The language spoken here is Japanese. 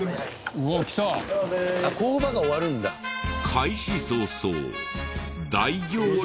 開始早々。